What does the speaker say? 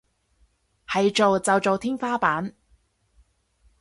係做就做天花板